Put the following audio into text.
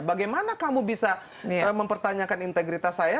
bagaimana kamu bisa mempertanyakan integritas saya